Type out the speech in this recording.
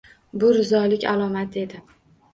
Bu rizolik alomati edi.